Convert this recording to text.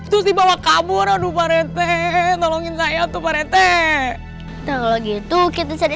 terus dibawa kabur aduh pak rete tolongin saya tuh pak rete kalau gitu kita jadi